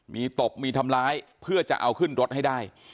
มีตบมีทำร้ายเพื่อจะเอาขึ้นรถให้ได้